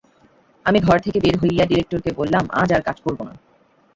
আমি ঘর থেকে বের হয়ে ডিরেক্টরকে বললাম, আজ আর কাজ করব না।